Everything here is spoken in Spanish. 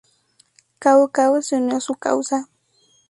Cao Cao se unió a su causa.